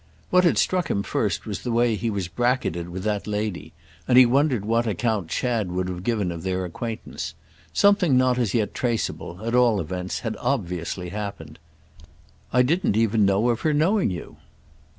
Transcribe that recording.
What had struck him first was the way he was bracketed with that lady; and he wondered what account Chad would have given of their acquaintance. Something not as yet traceable, at all events, had obviously happened. "I didn't even know of her knowing you."